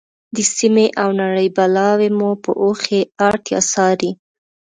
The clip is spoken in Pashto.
د سیمې او نړۍ بلاوې مو په اوښیártیا څاري.